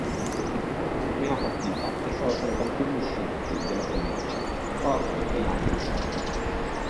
La prima partita è stata tra i campioni uscenti della provincia, Cork, e Limerick.